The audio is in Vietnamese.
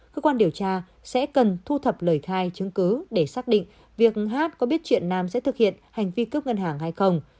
cơ quan điều tra sẽ cần thu thập lời khai chứng cứ để xác định việc hát có biết chuyện nam sẽ thực hiện hành vi cướp ngân hàng hay không